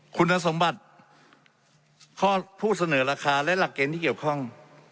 คุณสมบัติข้อผู้เสนอราคาและหลักเกณฑ์ที่เกี่ยวข้อง